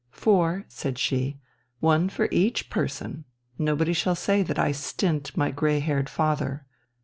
"Four," said she. "One for each person. Nobody shall say that I stint my grey haired father."